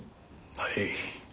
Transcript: はい。